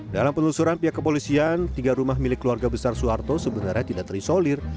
dalam penelusuran pihak kepolisian tiga rumah milik keluarga besar soeharto sebenarnya tidak terisolir